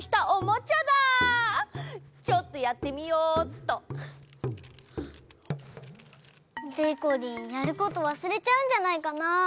ちょっとやってみよっと！でこりんやること忘れちゃうんじゃないかな？